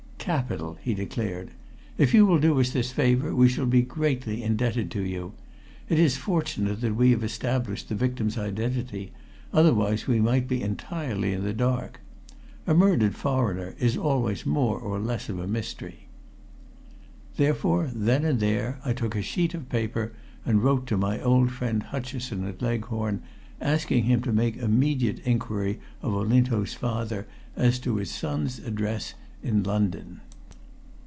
"Capital!" he declared. "If you will do us this favor we shall be greatly indebted to you. It is fortunate that we have established the victim's identity otherwise we might be entirely in the dark. A murdered foreigner is always more or less of a mystery." Therefore, then and there, I took a sheet of paper and wrote to my old friend Hutcheson at Leghorn, asking him to make immediate inquiry of Olinto's father as to his son's address in London.